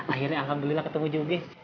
akhirnya alhamdulillah ketemu juga ini